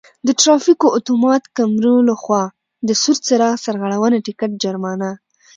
د ترافیکو آتومات کیمرو له خوا د سور څراغ سرغړونې ټکټ جرمانه: